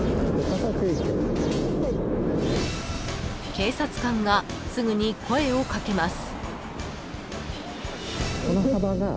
［警察官がすぐに声を掛けます］